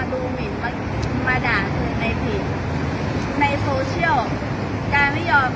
จะบอกว่ากาลไม่ยอมให้คนมาดูหมีน